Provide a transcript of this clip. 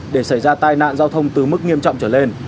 để xảy ra tai nạn giao thông từ mức nghiêm trọng trở lên